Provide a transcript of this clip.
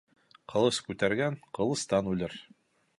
Ҡылыс күтәргән ҡылыстан үлер.